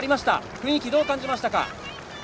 雰囲気、どう感じましたか？